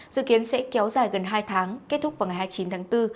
dự kiến sẽ kéo dài gần hai tháng kết thúc vào ngày hai mươi chín tháng bốn